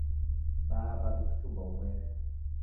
Baa w'awi kuchumba umweri.